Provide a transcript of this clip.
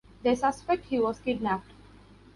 They suspect he was kidnapped.